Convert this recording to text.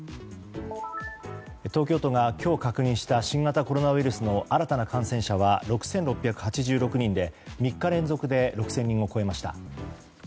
東京都が今日確認した新型コロナウイルスの新たな感染者は６６８６人で３日連続で６０００人を超えました。